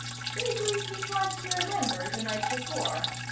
Vaguely, he tried to remember the night before.